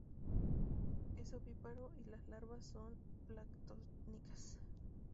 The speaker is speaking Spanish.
Es ovíparo y las larvas son planctónicas.